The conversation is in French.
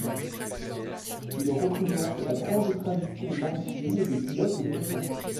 Il représente la grande tradition maritime des pilotes d'Ouessant.